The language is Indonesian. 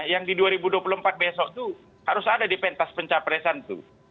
yang di dua ribu dua puluh empat besok itu harus ada di pentas pencapresan tuh